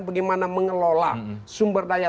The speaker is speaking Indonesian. bagaimana mengelola sumber daya